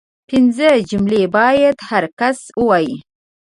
پنځه جملې باید هر کس ووايي